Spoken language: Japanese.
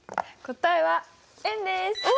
答えは円です。